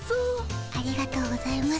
ありがとうございます